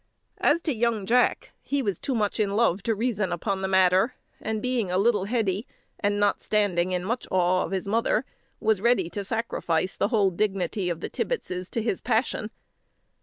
As to young Jack, he was too much in love to reason upon the matter; and being a little heady, and not standing in much awe of his mother, was ready to sacrifice the whole dignity of the Tibbetses to his passion.